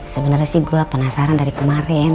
sebenarnya sih gue penasaran dari kemarin